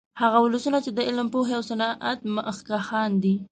هغه ولسونه چې د علم، پوهې او صنعت مخکښان دي